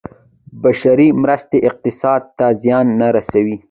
بشري مرستې اقتصاد ته زیان نه رسوي.